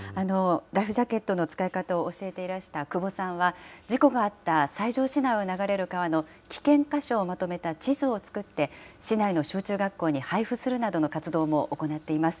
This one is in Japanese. ライフジャケットの使い方を教えていらした久保さんは、事故があった西条市内を流れる川の危険箇所をまとめた地図を作って、市内の小中学校に配布するなどの活動も行っています。